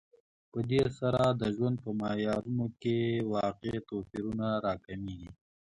په دې سره د ژوند په معیارونو کې واقعي توپیرونه راکمېږي